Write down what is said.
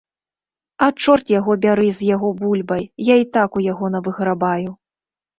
А, чорт яго бяры з яго бульбай, я і так у яго навыграбаю.